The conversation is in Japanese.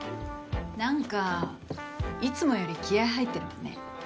何かいつもより気合入ってるわね。